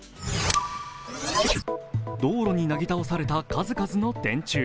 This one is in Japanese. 道路になぎ倒された数々の電柱。